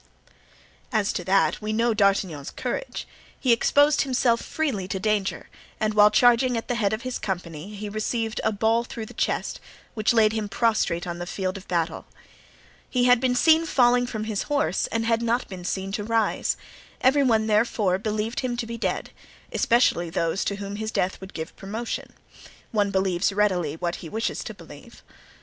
As to that, we know D'Artagnan's courage; he exposed himself freely to danger and while charging at the head of his company he received a ball through the chest which laid him prostrate on the field of battle. He had been seen falling from his horse and had not been seen to rise; every one, therefore, believed him to be dead, especially those to whom his death would give promotion. One believes readily what he wishes to believe.